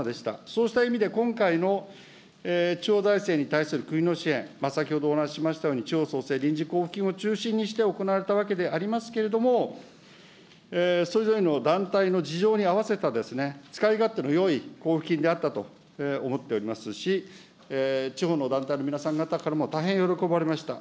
そうした意味で今回の地方財政に対する国の支援、先ほどお話ししましたように、地方創生臨時交付金を中心にして行われたわけでありますけれども、それぞれの団体の事情に合わせた、使い勝手のよい交付金であったと思っておりますし、地方の団体の皆さん方からも大変喜ばれました。